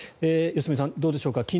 良純さん、どうでしょうか。